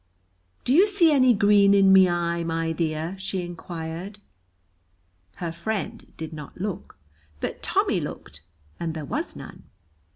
"Do you see any green in my eye, my dear?" she inquired. Her friend did not look, but Tommy looked, and there was none.